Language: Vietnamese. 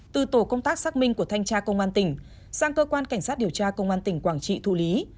từ tổ công tác xác minh của thanh tra công an tỉnh sang cơ quan cảnh sát điều tra công an tỉnh quảng trị thụ lý